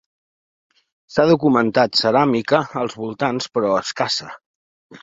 S'ha documentat ceràmica als voltants però escassa.